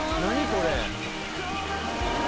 これ。